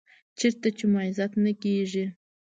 چېرته چې مو عزت نه کېږي .